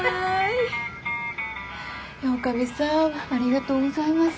おかみさんありがとうございます。